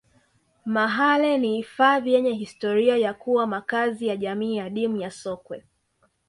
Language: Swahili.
mahale ni hifadhi yenye historia ya kuwa makazi ya jamii adimu za sokwe